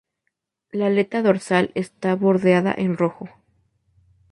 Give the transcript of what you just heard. La aleta dorsal está bordeada en rojo.